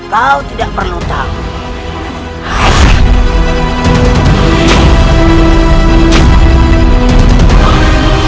kau tidak perlu tahu